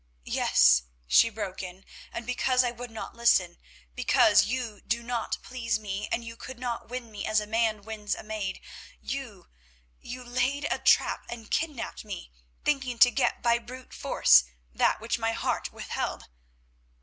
"Yes," she broke in, "and because I would not listen, because you do not please me, and you could not win me as a man wins a maid, you—you laid a trap and kidnapped me, thinking to get by brute force that which my heart withheld.